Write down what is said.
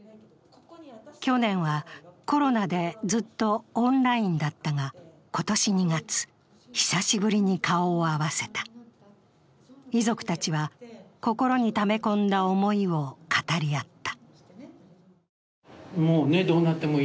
去年はコロナでずっとオンラインだったが今年２月、久しぶりに顔を合わせた遺族たちは心にため込んだ思いを語り合った。